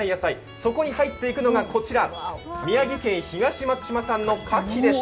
そこに入っていくのがこちら、宮城県東松島産のかきです。